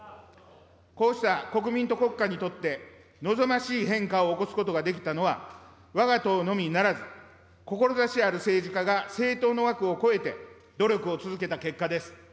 こうした国民と国家にとって望ましい変化を起こすことができたのは、わが党のみならず、志ある政治家が、政党の枠を超えて、努力を続けた結果です。